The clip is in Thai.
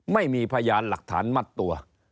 ไม่มีพยานหลักฐานมัดตัว